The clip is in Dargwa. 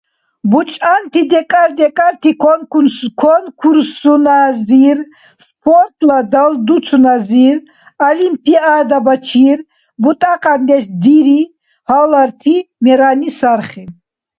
БучӀантани декӀар-декӀарти конкурсуназир, спортла далдуцуназир, олимпиадабачир бутӀакьяндеш дири, гьаларти мерани сархи.